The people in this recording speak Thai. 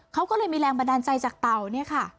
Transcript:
เขาก็เลยมีแรงบันดาลใจจากเต่า